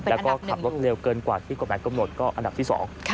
แล้วก็ขับรถเร็วเกินกว่าที่กฎหมายกำหนดก็อันดับที่๒